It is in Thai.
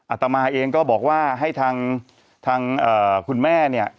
อาตมาเองก็บอกว่าให้ทางคุณแม่เนี่ย